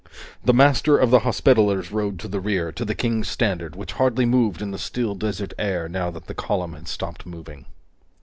The Master of the Hospitallers rode to the rear, to the King's standard, which hardly moved in the still desert air, now that the column had stopped moving.